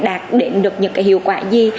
đạt định được những cái hiệu quả gì